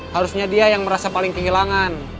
harusnya dia yang merasa paling kehilangan